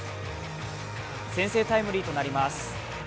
先制タイムリーとなります。